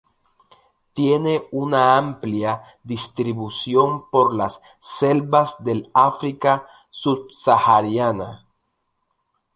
Tiene una amplia distribución por las selvas del África subsahariana.